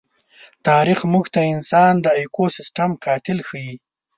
تاریخ موږ ته انسان د ایکوسېسټم قاتل ښيي.